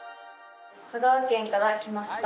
香川県から来ました